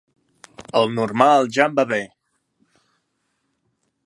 El normal ja em va bé.